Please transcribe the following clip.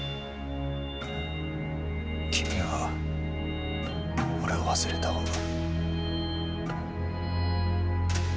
君は、俺を忘れた方が。